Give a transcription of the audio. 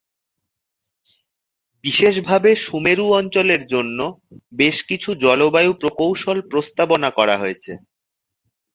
বিশেষভাবে সুমেরু অঞ্চলের জন্য বেশকিছু জলবায়ু প্রকৌশল প্রস্তাবনা করা হয়েছে।